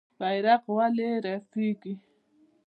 بیرغ ولې رپیږي؟